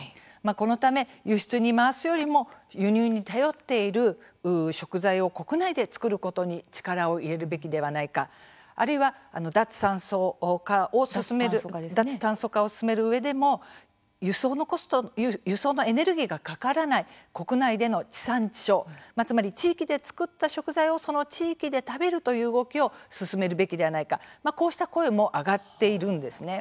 このため輸出に回すよりも輸入に頼っている食材を国内で作ることに力を入れるべきではないかあるいは脱炭素化を進めるうえでも輸送のエネルギーがかからない国内での地産地消つまり地域で作った食材をその地域で食べるという動きを進めるべきではないかこうした声も上がっているんですね。